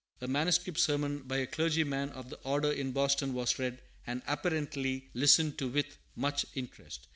A manuscript sermon, by a clergyman of the order in Boston, was read, and apparently listened to with much interest.